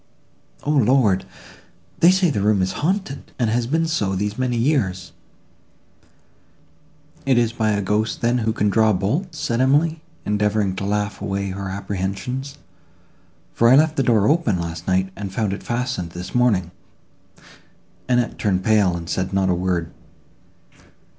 "O Lord! they say the room is haunted, and has been so these many years." "It is by a ghost, then, who can draw bolts," said Emily, endeavouring to laugh away her apprehensions; "for I left the door open, last night, and found it fastened this morning." Annette turned pale, and said not a word.